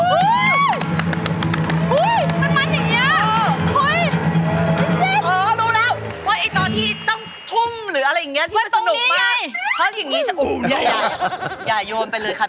มีคนเดียว